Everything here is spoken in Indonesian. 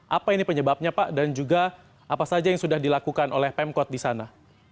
apa ini penyebabnya pak dan juga apa saja yang sudah dilakukan oleh pemkot di sana